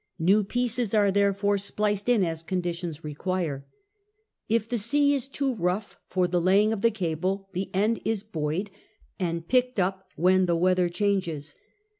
New pieces are, therefore, spliced in as conditions require. If the sea is too rough for the laying of the cable, the end is buoyed and picked up when the weather changes.